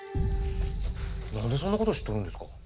何でそんな事知っとるんですか？